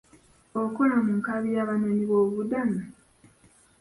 Okola mu nkambi y'Abanoonyiboobubudamu?